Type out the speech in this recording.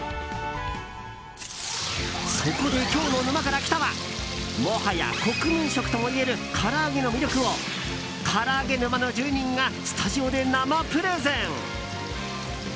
そこで今日の「沼から来た。」はもはや国民食ともいえるから揚げの魅力をから揚げ沼の住人がスタジオで生プレゼン。